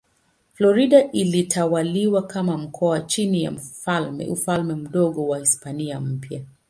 Florida ilitawaliwa kama mkoa chini ya Ufalme Mdogo wa Hispania Mpya.